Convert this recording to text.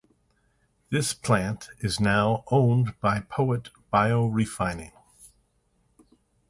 This plant is now owned by Poet Biorefining.